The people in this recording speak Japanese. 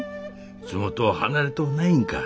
洲本を離れとうないんか？